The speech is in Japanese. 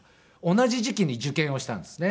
同じ時期に受験をしたんですね。